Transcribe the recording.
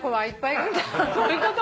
どういうこと？